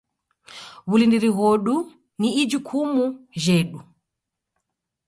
W'ulindiri ghodu ni ijukumu jhedu.